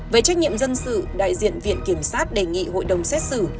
về trách nhiệm dân sự đại diện viện kiểm sát đề nghị hội đồng xét xử